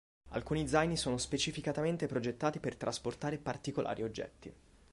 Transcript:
Alcuni zaini sono specificatamente progettati per trasportare particolari oggetti.